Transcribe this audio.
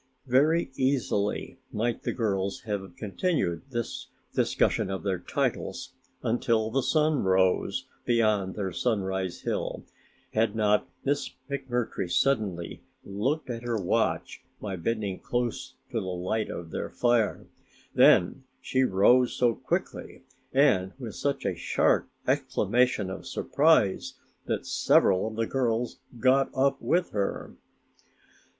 Very easily might the girls have continued this discussion of their titles until the sun rose beyond their Sunrise Hill, had not Miss McMurtry suddenly looked at her watch by bending close to the light of their fire. Then she rose so quickly and with such a sharp exclamation of surprise that several of the girls got up with her.